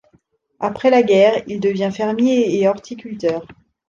Après la guerre, il devient fermier et horticulteur.